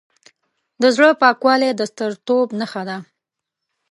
د زړه پاکوالی د سترتوب نښه ده.